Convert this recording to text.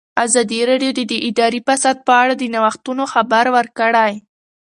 ازادي راډیو د اداري فساد په اړه د نوښتونو خبر ورکړی.